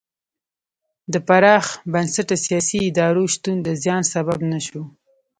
د پراخ بنسټه سیاسي ادارو شتون د زیان سبب نه شو.